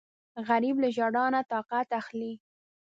غریب له ژړا نه طاقت اخلي